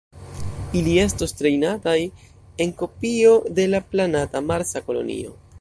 Ili estos trejnataj en kopio de la planata Marsa kolonio.